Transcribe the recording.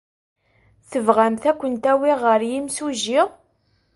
Tebɣamt ad kent-awiɣ ɣer yimsujji?